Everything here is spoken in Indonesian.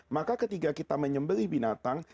maka ketika kita menyembelih binatang